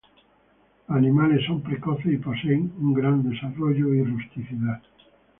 Los animales son precoces y poseen un gran desarrollo y rusticidad.